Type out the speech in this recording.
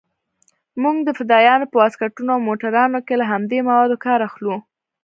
موږ د فدايانو په واسکټونو او موټرانو کښې له همدې موادو کار اخلو.